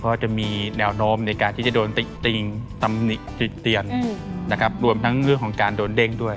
เพราะจะมีแนวโน้มในการที่จะโดนติ๊กทำเนี่ยติ๊กเตรียนรวมต้องการถึงเรื่องการโดนเด่งด้วย